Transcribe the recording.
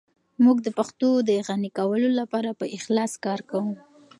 موږ د پښتو د غني کولو لپاره په اخلاص کار کوو.